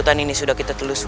mereka seperti suatu sihir